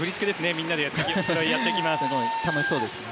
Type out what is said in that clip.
みんなでやっていますね。